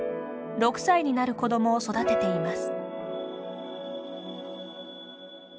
６歳になる子どもを育てています。